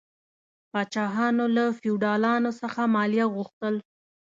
پاچاهانو له فیوډالانو څخه مالیه غوښتل.